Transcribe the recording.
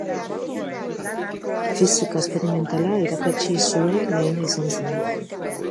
Fisika esperimentala irakatsi zuen lehena izan zen.